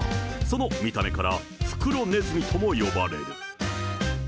その見た目から、フクロネズミとも呼ばれる。